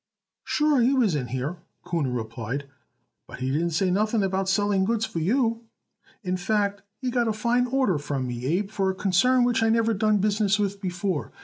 "Sure he was in here," Kuhner replied, "but he didn't say nothing about selling goods for you. In fact, he got a fine order from me, Abe, for a concern which I never done business with before.